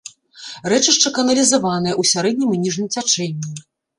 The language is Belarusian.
Рэчышча каналізаванае ў сярэднім і ніжнім цячэнні.